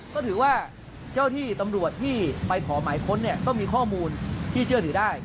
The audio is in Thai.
ก็ถือว่าเจ้าที่ตำรวจที่ไปขอหมายค้นเนี่ยก็มีข้อมูลที่เชื่อถือได้